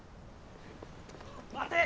待て！